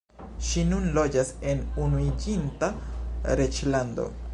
Ŝi nun loĝas en Unuiĝinta Reĝlando.